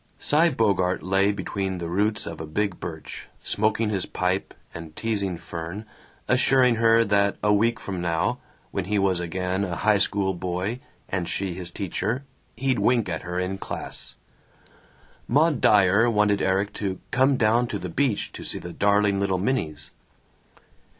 Cy Bogart lay between the roots of a big birch, smoking his pipe and teasing Fern, assuring her that a week from now, when he was again a high school boy and she his teacher, he'd wink at her in class. Maud Dyer wanted Erik to "come down to the beach to see the darling little minnies."